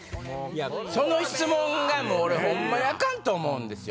その質問がホンマにアカンと思うんですよ。